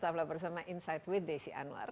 tetaplah bersama insight with desi anwar